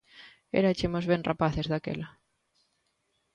Érachemos ben rapaces daquela